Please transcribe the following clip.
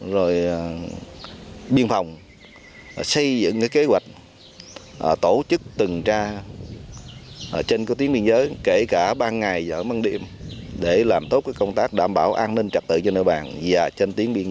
rồi biên phòng xây dựng kế hoạch tổ chức tuần tra